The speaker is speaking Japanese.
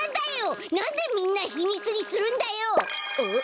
なんでみんなひみつにするんだよ！